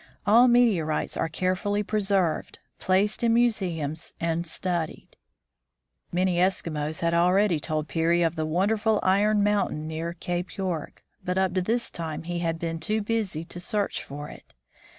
All meteorites are carefully preserved, placed in museums, and studied. Many Eskimos had already told Peary of the wonderful iron mountain near Cape York, but up to this time he had been too busy to search for it.